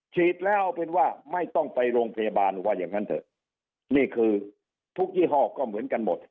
ฉีดแล้วเอาเป็นว่าไม่ต้องไปโรงพยาบาลว่าอย่างนั้นเถอะนี่คือทุกยี่ห้อก็เหมือนกันหมด